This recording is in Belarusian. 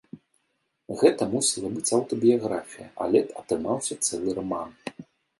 Гэта мусіла быць аўтабіяграфія, але атрымаўся цэлы раман.